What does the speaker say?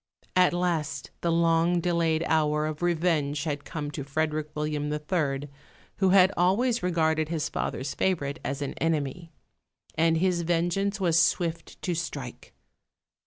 At last the long delayed hour of revenge had come to Frederick William III., who had always regarded his father's favourite as an enemy; and his vengeance was swift to strike.